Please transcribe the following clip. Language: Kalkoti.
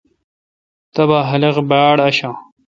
تبا خاق پہ باڑاشان۔